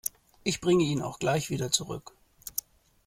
Ich bringe ihn auch gleich wieder zurück.